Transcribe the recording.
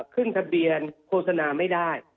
ขึ้นทะเบียนโฆษณาไม่ได้